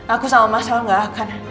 aku sama masalah gak akan